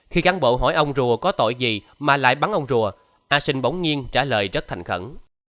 khi cán bộ hỏi ông rùa có tội gì mà lại bắn ông rùa a sinh bóng nhiên trả lời rất thành khẩn